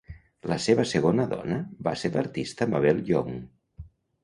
La seva segona dona va ser l'artista Mabel Young.